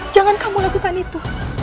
jangan kamu lakukan itu